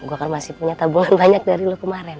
gue kan masih punya tabungan banyak dari lo kemarin